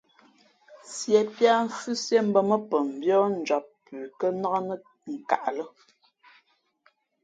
Sīē píá pαmfhʉ́síé mbᾱ mά pαmbíάnjam pʉ kά nák nά nkaʼ lά.